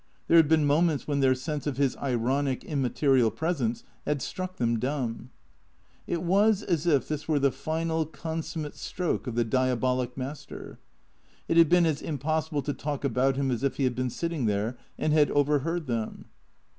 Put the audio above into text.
There had been moments when their sense of his ironic, immaterial presence had struck them dumb. It was as if this were the final, consummate stroke of the diabolic master. It had been as impossible to talk about him as if he had been sitting there and had overheard them.